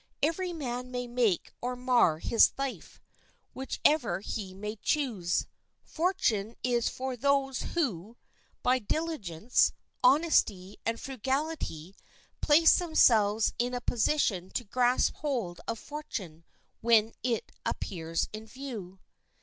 Every man may make or mar his life, whichever he may choose. Fortune is for those who, by diligence, honesty and frugality, place themselves in a position to grasp hold of fortune when it appears in view.